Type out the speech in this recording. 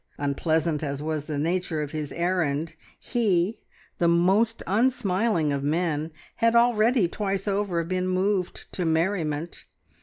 Unpleasant as was the nature of his errand, he, the most unsmiling of men, had already twice over been moved to merriment.